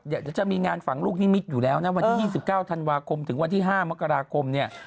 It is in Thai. เดี๋ยวจะมีงานฝังลูกนิมิตอยู่แล้วนะวันที่๒๙ธันวาคมถึงวันที่๕มกราคมเนี่ย